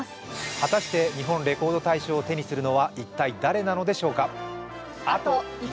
果たして日本レコード大賞を手にするのは一体誰なのでしょうか。